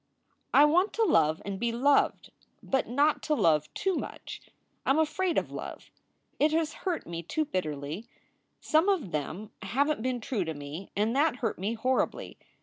"I want to love and be loved, but not to love too much. I m afraid of love. It has hurt me too bitterly. Some of them haven t been true to me, and that hurt me horribly.